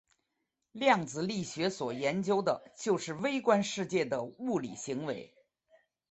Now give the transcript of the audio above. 量子力学所研究的就是微观世界的物理行为。